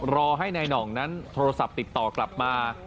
รอให้นายหน่องนั้นโทรศัพท์ติดต่อกลับมา